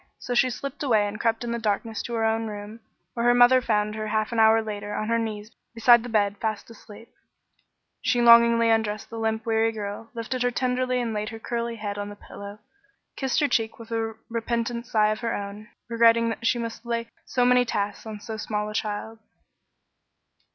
So she slipped away and crept in the darkness to her own room, where her mother found her half an hour later on her knees beside the bed fast asleep. She lovingly undressed the limp, weary little girl, lifted her tenderly and laid her curly head on the pillow, and kissed her cheek with a repentant sigh of her own, regretting that she must lay so many tasks on so small a child.